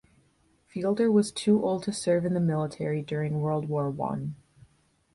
Fielder was too old to serve in the military during World War One.